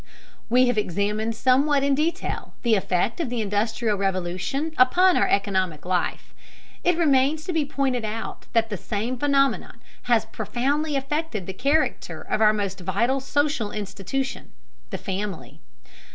We have examined somewhat in detail the effect of the Industrial Revolution upon our economic life; it remains to be pointed out that the same phenomenon has profoundly affected the character of our most vital social institution, the family.